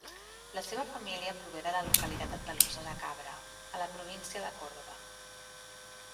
La seva família prové de la localitat andalusa de Cabra, a la província de Còrdova.